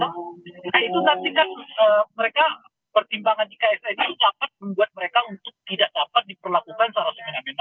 nah itu nanti kan mereka pertimbangan iksa ini dapat membuat mereka untuk tidak dapat diperlakukan secara semena mena